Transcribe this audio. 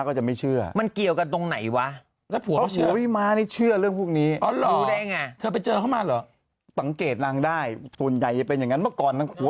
ก็คือถ้าเมื่อก่อนนะพี่ม้าไม่มีผัว